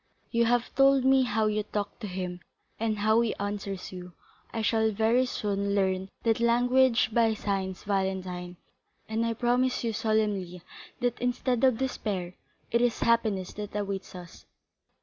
You have told me how you talk to him and how he answers you; I shall very soon learn that language by signs, Valentine, and I promise you solemnly, that instead of despair, it is happiness that awaits us."